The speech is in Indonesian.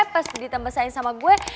pas ditambah sayang sama gue